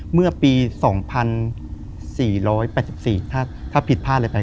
คือก่อนอื่นพี่แจ็คผมได้ตั้งชื่อเอาไว้ชื่อเอาไว้ชื่อเอาไว้ชื่อ